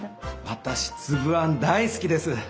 私つぶあん大好きです。